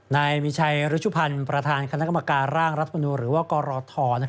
นายมีชัยรุชุพันธ์ประธานคณะกรรมการร่างรัฐมนูลหรือว่ากรท